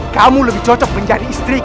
kamu lebih cocok menjadi istri